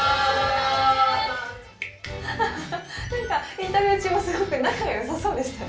インタビュー中も、すごく仲がよさそうでしたね。